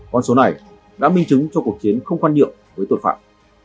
con số này đã minh chứng cho cuộc chiến không quan niệm với tội phạm